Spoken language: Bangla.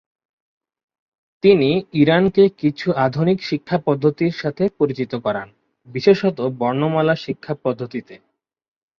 তিনি ইরানকে কিছু আধুনিক শিক্ষা পদ্ধতির সাথে পরিচিত করান, বিশেষত বর্ণমালা শিক্ষা পদ্ধতিতে।